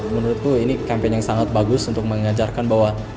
menurutku ini campaign yang sangat bagus untuk mengajarkan bahwa